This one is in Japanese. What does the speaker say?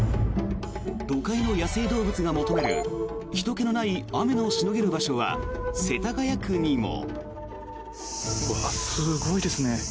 都会の野生動物が求めるひとけのない雨のしのげる場所は世田谷区にも。